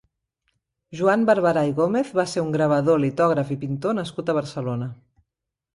Joan Barbarà i Gómez va ser un gravador, litògraf i pintor nascut a Barcelona.